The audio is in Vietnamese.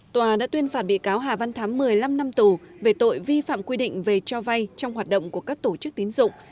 tòa đã tuyên phạt bị cáo hà văn thắm một mươi năm năm tù về tội vi phạm quy định về cho vay trong hoạt động của các tổ chức tín dụng